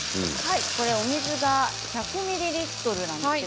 お水が１００ミリリットルです。